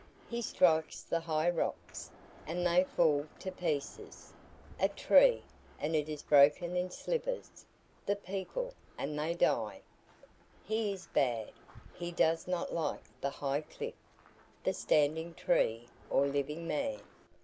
He strikes the high rocks, and they fall to pieces; a tree, and it is broken in slivers; the people, and they die. He is bad. He does not like the high cliff, the standing tree, or living man.